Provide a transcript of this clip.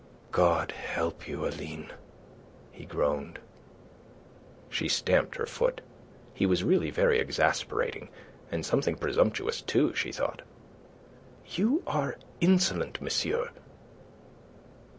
"God help you, Aline!" he groaned. She stamped her foot. He was really very exasperating, and something presumptuous too, she thought. "You are insolent, monsieur."